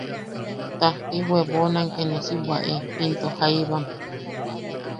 Tajkai webonam ke ne si bwaʼe into jaibam.